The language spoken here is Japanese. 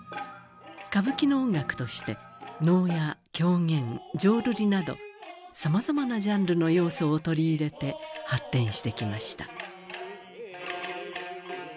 歌舞伎の音楽として能や狂言浄瑠璃などさまざまなジャンルの要素を取り入れて発展してきました。